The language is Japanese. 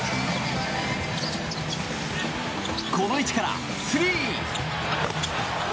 この位置からスリー！